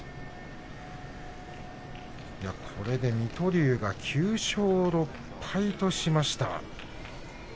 これで水戸龍が９勝６敗としました。